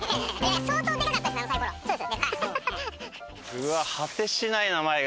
うわっ果てしないな前が。